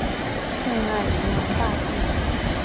圣艾尼昂大地。